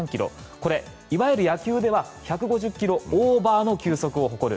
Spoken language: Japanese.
これ、いわゆる野球では１５０ｋｍオーバーの球速を誇る。